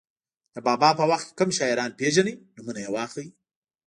د بابا په وخت کې کوم شاعران پېژنئ نومونه یې واخلئ.